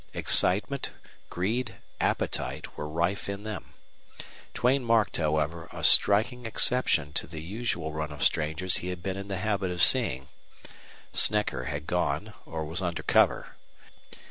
Excitement, greed, appetite were rife in them. Duane marked, however, a striking exception to the usual run of strangers he had been in the habit of seeing. Snecker had gone or was under cover.